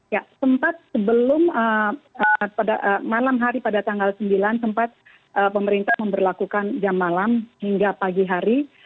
ya sempat sebelum malam hari pada tanggal sembilan sempat pemerintah memperlakukan jam malam hingga pagi hari